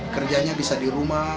kerjanya bisa di rumah